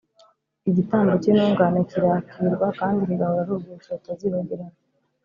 Igitambo cy’intungane kirakirwa, kandi kigahora ari urwibutso rutazibagirana.